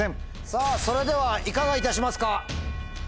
さぁそれではいかがいたしますか？